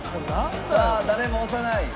さあ誰も押さない。